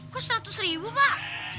kok seratus ribu pak